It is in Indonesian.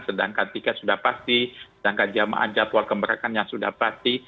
sedangkan tiket sudah pasti sedangkan jemaah jadwal kemerahkan yang sudah pasti